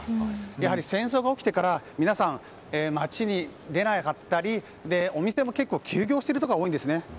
やはり戦争が起きてから皆さん、街に出なかったりお店も結構休業しているところが多いんですね。